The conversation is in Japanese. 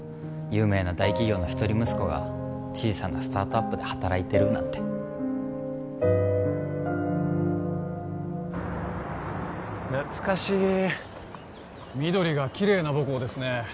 有名な大企業の一人息子が小さなスタートアップで働いてるなんて懐かしい緑がきれいな母校ですね